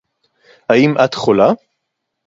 הַאִם אַתְּ חוֹלָה?